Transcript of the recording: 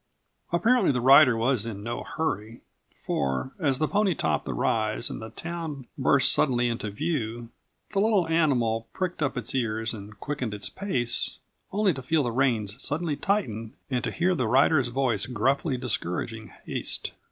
Apparently the rider was in no hurry, for, as the pony topped the rise and the town burst suddenly into view, the little animal pricked up its ears and quickened its pace, only to feel the reins suddenly tighten and to hear the rider's voice gruffly discouraging haste.